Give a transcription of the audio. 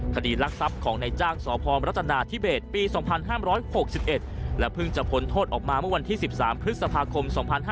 คดีรักทรัพย์ของในจ้างสพมรัฐนาธิเบศปี๒๕๖๑และเพิ่งจะพ้นโทษออกมาเมื่อวันที่๑๓พฤษภาคม๒๕๕๙